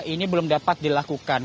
ini belum dapat dilakukan